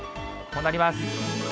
こうなります。